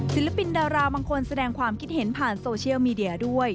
ศิลปินดาราบางคนแสดงความคิดเห็นผ่านโซเชียลมีเดียด้วย